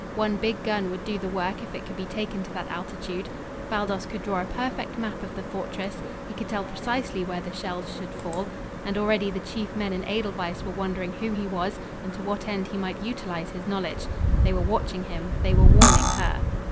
One big gun would do the work if it could be taken to that altitude. Baldos could draw a perfect map of the fortress. He could tell precisely where the shells should fall. And already the chief men in Edelweiss were wondering who he was and to what end he might utilize his knowledge. They were watching him, they were warning her.